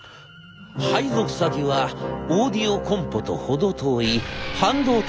配属先はオーディオコンポと程遠い半導体事業部。